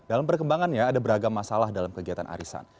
dalam perkembangannya ada beragam masalah dalam kegiatan arisan